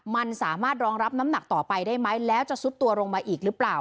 มันสามารถรองรับน้ำหนักต่อไปได้ไหมแล้วจะซุดตัวลงมาอีกหรือเปล่า